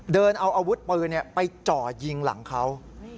เดินเอาอาวุธปืนไปจ่อยิงหลังเขา